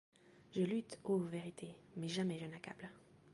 Je lutte, ô Vérité, mais jamais je n'accable.